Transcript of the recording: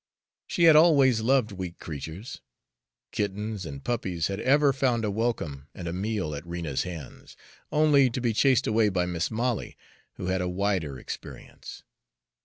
She had always loved weak creatures. Kittens and puppies had ever found a welcome and a meal at Rena's hands, only to be chased away by Mis' Molly, who had had a wider experience.